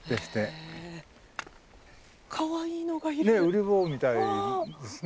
うり坊みたいですね。